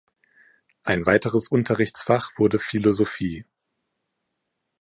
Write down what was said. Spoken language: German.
Ein weiteres Unterrichtsfach wurde Philosophie.